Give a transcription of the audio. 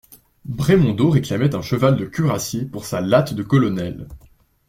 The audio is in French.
Brémondot réclamait un cheval de cuirassier pour sa latte de colonel.